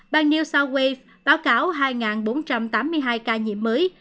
bang new south wales báo cáo hai bốn trăm tám mươi hai ca nhiễm mới